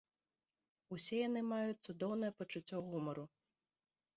Усе яны маюць цудоўнае пачуццё гумару.